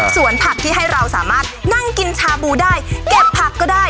ส่วนผักที่ให้เราสามารถนั่งกินชาบูได้เก็บผักก็ได้